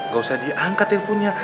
gak usah diangkat teleponnya